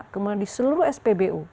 kemudian di seluruh spbu